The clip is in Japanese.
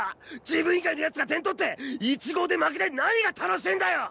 自分以外の奴が点取って１−５で負けて何が楽しいんだよ！